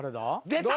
出た。